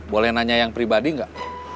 boleh nanya yang pribadi nggak